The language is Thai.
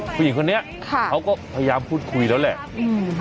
ผู้หญิงคนนี้ค่ะเขาก็พยายามพูดคุยแล้วแหละอืม